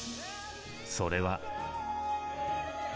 それは。